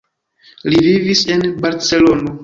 Li vivis en Barcelono.